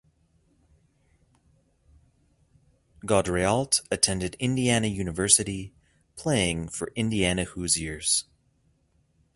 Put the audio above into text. Gaudreault attended Indiana University playing for Indiana Hoosiers.